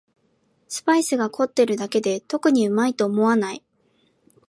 スパイスが凝ってるだけで特にうまいと思わない